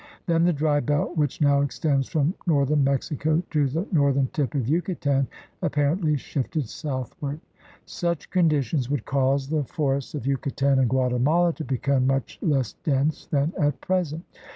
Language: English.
Then the dry belt which now extends from northern Mexico to the northern tip of Yucatan apparently shifted southward. Such conditions would cause the for ests of Yucatan and Guatemala to become much less dense than at present.